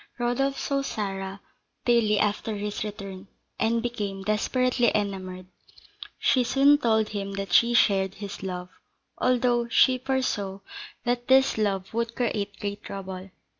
Rodolph saw Sarah daily after his return, and became desperately enamoured. She soon told him that she shared his love, although she foresaw that this love would create great trouble.